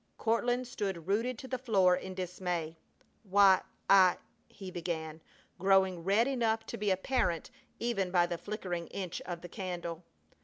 Courtland stood rooted to the floor in dismay. "Why, I " he began, growing red enough to be apparent even by the flickering inch of candle.